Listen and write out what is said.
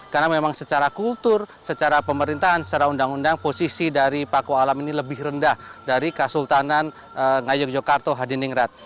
karena memang secara kultur secara pemerintahan secara undang undang posisi dari paku alam ini lebih rendah dari kesultanan ngyayug jogarta atau hadiningrat